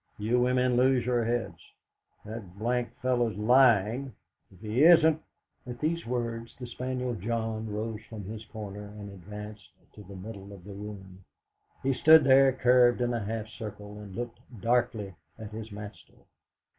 You women lose your heads. That d d fellow's lying! If he isn't " At these words the spaniel John rose from his corner and advanced to the middle of the floor. He stood there curved in a half circle, and looked darkly at his master.